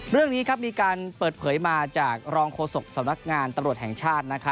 เรื่องนี้มีการเปิดเผยมาจากรองโฆษกสำนักงานตำรวจแห่งชาติ